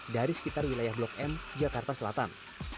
dari sekitar wilayah blok m jakarta selatan